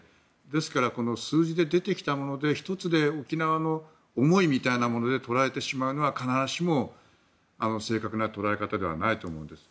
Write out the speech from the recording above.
ですから、数字で出てきたもので１つで沖縄の思いみたいに捉えてしまうのは必ずしも正確な捉え方ではないと思います。